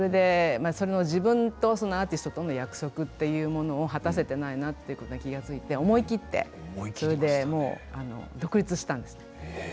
自分とそのアーティストとの約束っていうものを果たせていないなっていうことに気が付いて思い切ってそれでもう独立したんですね。